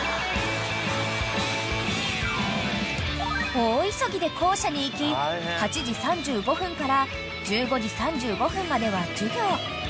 ［大急ぎで校舎に行き８時３５分から１５時３５分までは授業］